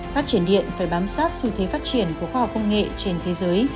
phát triển điện phải bám sát xu thế phát triển của khoa học công nghệ trên thế giới